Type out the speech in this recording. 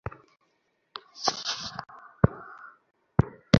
দারিদ্র্যের ভার অবহেলায় মাথায় করে নিয়ে যোগ দিলেন আশ্রমের কাজে।